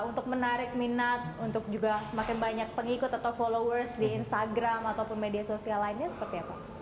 untuk menarik minat untuk juga semakin banyak pengikut atau followers di instagram ataupun media sosial lainnya seperti apa